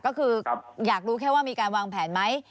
ก็คืออยากรู้แค่ว่ามีการวางแผนไหม